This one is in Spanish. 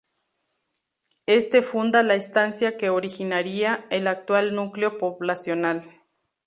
Éste funda la estancia que originaría el actual núcleo poblacional.